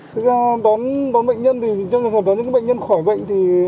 thực ra đón bệnh nhân thì trong trường hợp đón những bệnh nhân khỏi bệnh